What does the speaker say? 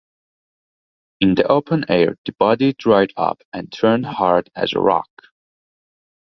In the open air the body dried up and turned hard as a rock.